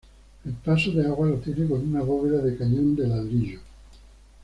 El paso de agua lo tiene con una bóveda de cañón de ladrillo.